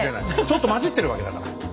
ちょっと混じってるわけだから。